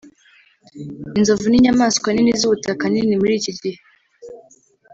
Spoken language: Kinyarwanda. inzovu ninyamaswa nini zubutaka nini muri iki gihe